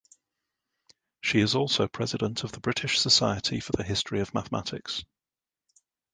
She is also president of the British Society for the History of Mathematics.